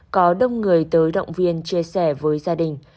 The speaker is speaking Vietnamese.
có đông người tới động viên chia sẻ với gia đình